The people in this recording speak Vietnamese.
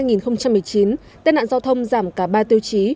so với một mươi tháng năm hai nghìn một mươi chín tai nạn giao thông giảm cả ba tiêu chí